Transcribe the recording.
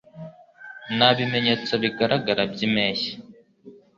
Nta bimenyetso bigaragara byimpeshyi.